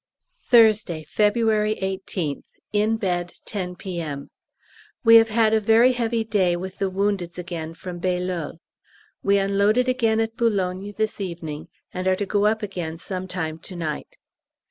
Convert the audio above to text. Thursday, February 18th. In bed, 10 P.M. We have had a very heavy day with the woundeds again from Bailleul. We unloaded again at B. this evening, and are to go up again some time to night.